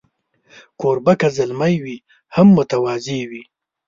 کوربه که زلمی وي، هم متواضع وي.